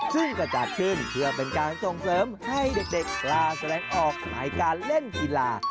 ซึ่งจะจัดขึ้นเพื่อเป็นการส่งเสริมให้เด็กกล้าแสดงออกในการเล่นกีฬา